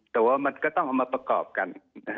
แต่ว่ามันก็ต้องเอามาประกอบกัน